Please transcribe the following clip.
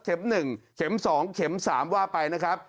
เข็มหนึ่งเข็มสองเข็มสามว่าไปนะครับ